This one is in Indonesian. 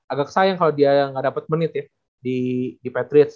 agak sayang kalo dia ga dapet menit ya di fight race ya